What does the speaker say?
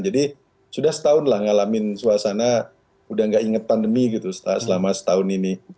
jadi sudah setahun lah ngalamin suasana sudah tidak ingat pandemi selama setahun ini